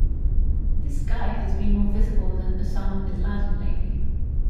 This guy has been more visible than Osama bin Laden lately.